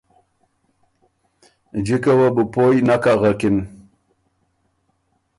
جِکه وه بو پویٛ نک اغکِن۔